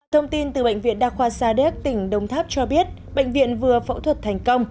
thông tin từ bệnh viện đa khoa sa đéc tỉnh đông tháp cho biết bệnh viện vừa phẫu thuật thành công